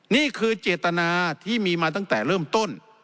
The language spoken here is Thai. นี่คือเจตนาที่มีมาตั้งแต่เริ่มต้น